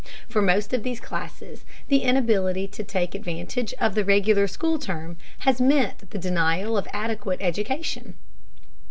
For most of these classes, the inability to take advantage of the regular school term has meant the denial of adequate education.